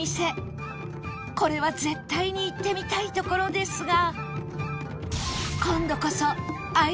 これは絶対に行ってみたいところですが